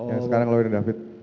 yang sekarang lawyernya david